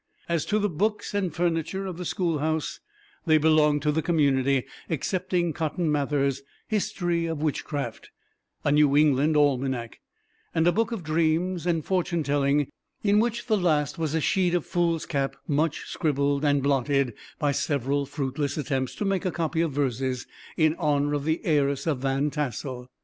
As to the books and furniture of the schoolhouse, they belonged to the community, excepting Cotton Mather's "History of Witchcraft," a New England Almanac, and a book of dreams and fortune telling; in which last was a sheet of foolscap much scribbled and blotted, by several fruitless attempts to make a copy of verses in honor of the heiress of Van Tassel.